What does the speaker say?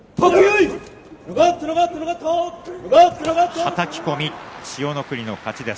はたき込み千代の国の勝ちです。